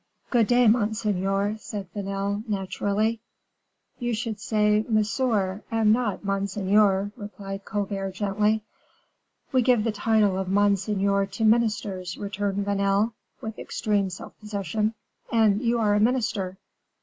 "Good day, monseigneur," said Vanel, naturally. "You should say monsieur, and not monseigneur," replied Colbert, gently. "We give the title of monseigneur to ministers," returned Vanel, with extreme self possession, "and you are a minister."